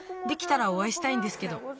できたらおあいしたいんですけど。